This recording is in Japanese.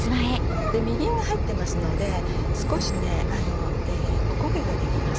みりんが入ってますので少しお焦げが出来ます。